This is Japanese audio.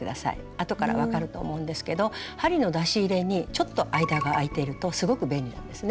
あとから分かると思うんですけど針の出し入れにちょっと間があいてるとすごく便利なんですね。